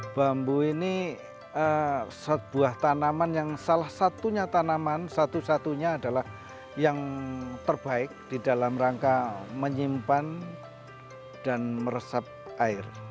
bambu ini sebuah tanaman yang salah satunya tanaman satu satunya adalah yang terbaik di dalam rangka menyimpan dan meresap air